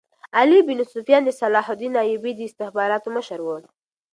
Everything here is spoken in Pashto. علي بن سفیان د صلاح الدین ایوبي د استخباراتو مشر وو